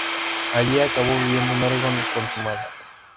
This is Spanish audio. Allí, acabó viviendo en Oregón, con su madre.